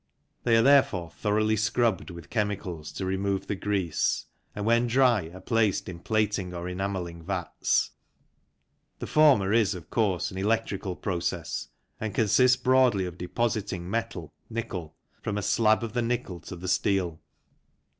They are therefore thoroughly scrubbed with chemicals to remove the grease, and when dry are placed in plating or enamelling vats. The former is, of course, an electrical process, and consists broadly of depositing metal (nickel) from a FROM STORES TO RAILWAY DRAY 41 slab of the nickel to the steel.